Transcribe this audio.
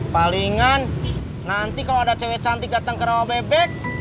palingan nanti kalau ada cewek cantik datang ke rumah